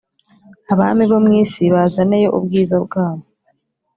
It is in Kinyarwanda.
abami bo mu si bazaneyo ubwiza bwabo.